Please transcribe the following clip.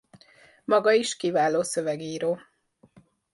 Maga is kiváló szövegíró.